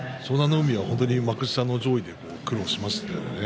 海は本当に幕下の上位で苦労しましたよね